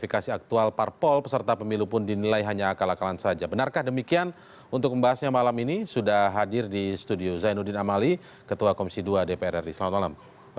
ketua komisi pemilihan umum pak zainuddin amali ketua komisi dua dpr ri selamat malam